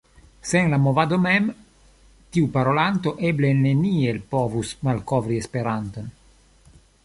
Sen la Movado mem tiu parolanto eble neniel povus malkovri Esperanton.